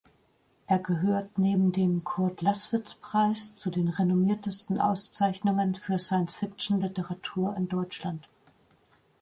Er gehört neben dem Kurd-Laßwitz-Preis zu den renommiertesten Auszeichnungen für Science-Fiction-Literatur in Deutschland.